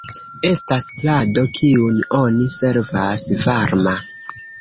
Estas plado kiun oni servas varma.